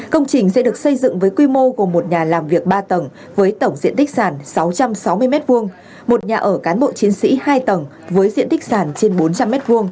công trình sẽ được xây dựng với quy mô gồm một nhà làm việc ba tầng với tổng diện tích sàn sáu trăm sáu mươi m hai một nhà ở cán bộ chiến sĩ hai tầng với diện tích sàn trên bốn trăm linh m hai